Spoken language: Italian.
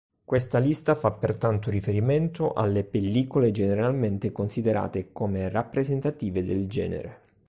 Questa lista fa pertanto riferimento alle pellicole generalmente considerate come rappresentative del genere.